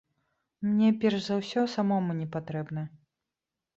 Мне, перш за ўсё, самому не патрэбна.